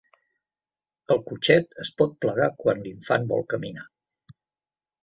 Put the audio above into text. El cotxet es pot plegar quan l'infant vol caminar.